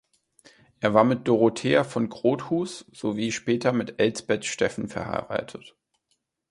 Er war mit Dorothea von Grotthuß sowie später mit Elsbeth Steffen verheiratet.